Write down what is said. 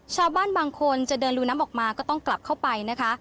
ชาวบ้านบางคนจะเดินรูน้ำออกมาก็ต้องกลับเข้าไปนะคะ